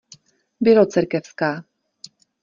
Bělocerkevská.